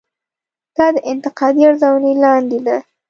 دا انتقادي ارزونې لاندې ده.